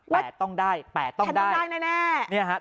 แปลต้องได้แปลต้องได้แปลต้องได้แปลต้องได้แน่แปลต้องได้